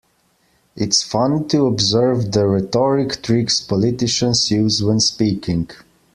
It's funny to observe the rhetoric tricks politicians use when speaking.